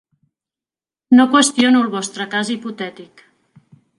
No qüestiono el vostre cas hipotètic.